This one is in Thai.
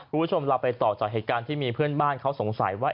คุณผู้ชมเราไปต่อจากเหตุการณ์ที่มีเพื่อนบ้านเขาสงสัยว่า